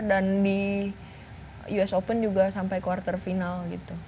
dan di us open juga sampai quarter final gitu